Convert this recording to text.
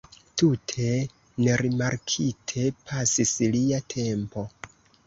Tute nerimarkite pasis lia tempo.